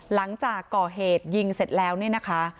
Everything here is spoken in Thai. หลังจากก่อเหตุยิงเสร็จแล้วเนี่ยนะคะ